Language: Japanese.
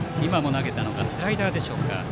投げたのがスライダーでしょうか。